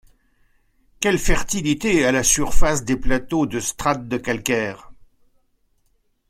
Quelle fertilité à la surface des plateaux de strate de calcaire!